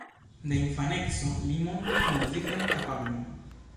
De infaneco li montris muzikan kapablon.